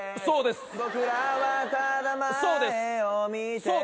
そうです。